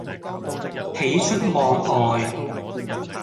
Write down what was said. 喜出望外